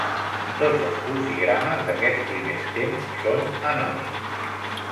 Tots els crucigrames d'aquests primers temps són anònims.